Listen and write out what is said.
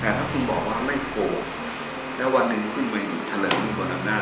แต่ถ้าคุณบอกว่าไม่โกงแล้ววันหนึ่งคุณมาอยู่ทาลาฮีลของบนอำนาจ